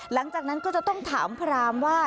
หลังจากนั้นก็จะต้องถามพรามว่า